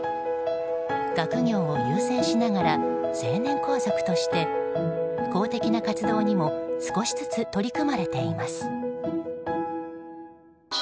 学業を優先しながら成年皇族として公的な活動にも少しずつ取り組まれています。